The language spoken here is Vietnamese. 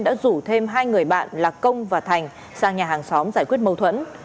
đã rủ thêm hai người bạn là công và thành sang nhà hàng xóm giải quyết mâu thuẫn